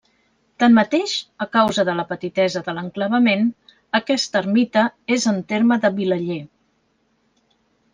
Tanmateix, a causa de la petitesa de l'enclavament, aquesta ermita és en terme de Vilaller.